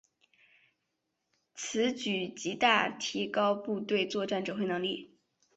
此举极大提升部队作战指挥能力。